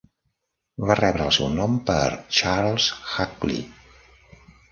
Va rebre el seu nom per Charles Hackley.